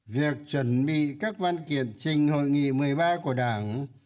việc chuẩn bị các văn kiện trình hội nghị một mươi ba của đảng